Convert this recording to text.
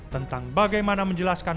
tentang bagaimana menjelaskan